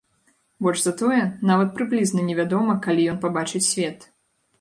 Больш за тое, нават прыблізна невядома, калі ён пабачыць свет.